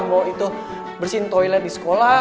mau itu bersihin toilet di sekolah